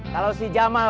kalau si jamal